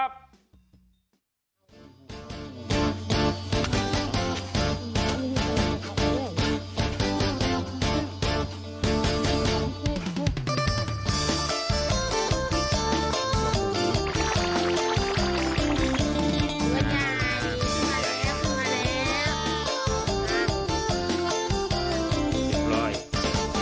มันยังไงมาแล้วมาแล้ว